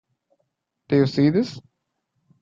Do you see this?